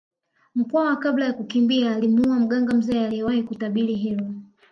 Mkwawa kabla ya kukimbia alimuua mganga mzee aliyewahi kutabiri hilo